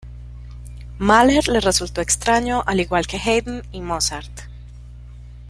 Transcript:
Mahler le resultó extraño, al igual que Haydn y Mozart.